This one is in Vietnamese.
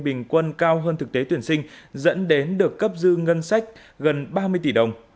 bình quân cao hơn thực tế tuyển sinh dẫn đến được cấp dư ngân sách gần ba mươi tỷ đồng